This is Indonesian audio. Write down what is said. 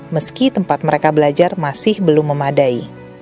meski tempat mereka belajar masih belum memadai